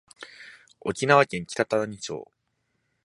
沖縄県北谷町